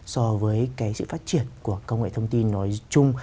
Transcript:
so với cái sự phát triển của công nghệ thông tin nói chung